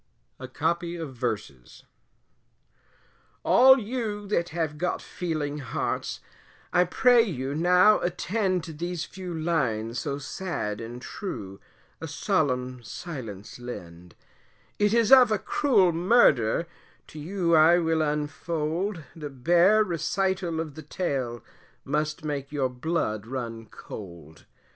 A COPY OF VERSES. All you that have got feeling hearts, I pray you now attend, To these few lines so sad and true, a solemn silence lend, It is of a cruel murder, to you I will unfold The bare recital of the tale, must make your blood run cold.